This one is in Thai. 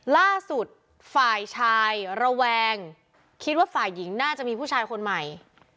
ล่าสุดฝ่ายชายระแวงคิดว่าฝ่ายหญิงน่าจะมีผู้ชายคนใหม่